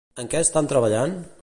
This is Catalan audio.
En què estan treballant?